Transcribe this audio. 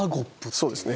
そうですね。